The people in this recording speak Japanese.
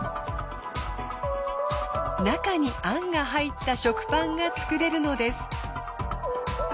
中にあんが入った食パンが作れるのです。